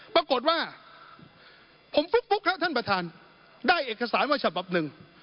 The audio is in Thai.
ปรากฏว่าผมฟุ๊คนะท่านประธานได้เอกสารชะบับนึง